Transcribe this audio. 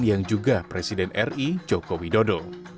yang juga presiden ri jokowi dodo